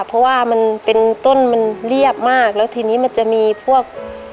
เพราะว่ามันเป็นต้นมันเรียบมากแล้วทีนี้มันจะมีพวก